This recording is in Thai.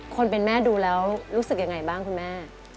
คนเป็นแม่ดูแล้วรู้สึกยังไงบ้างคุณแม่